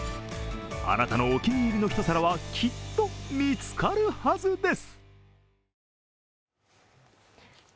あなたのお気に入りの一皿はきっと見つかるはずです！